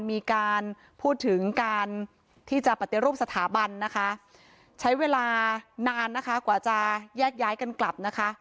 มีการพูดถึงการที่จะปฏิรูปสถาบันนะคะใช้เวลานานนะคะกว่าจะแยกย้ายกันกลับนะคะ